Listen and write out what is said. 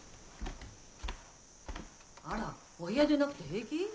あらお部屋でなくて平気？